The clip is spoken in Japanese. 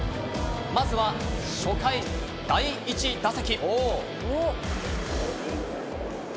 まずは初回、第１打席。